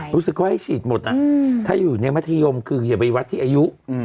รู้สึกเขาให้ฉีดหมดถ้าอยู่ในมัธยมคืออย่าไปวัดที่อายุ